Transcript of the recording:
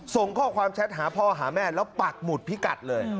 ส่งข้อความแชทหาพ่อหาแม่แล้วปักหมุดพิกัดเลย